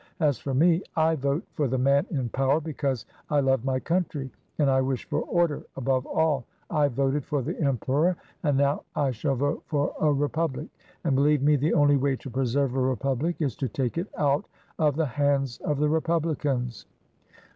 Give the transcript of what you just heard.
As for me I vote for the man in power because I love my country, and I wish for order above all; I voted for the Emperor and now I shall vote for a Re public, and believe me the only way to preserve a Republic is to take it out of the hands of the re publicans."